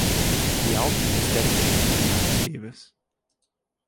The album was dedicated to Miles Davis.